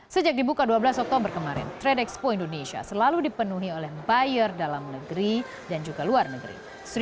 sejak dibuka dua belas oktober kemarin trade expo indonesia selalu dipenuhi oleh buyer dalam negeri dan juga luar negeri